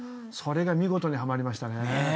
それが見事にはまりましたね。